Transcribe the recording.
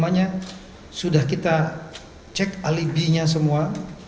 lima lima nya sudah kita cek alibinya semua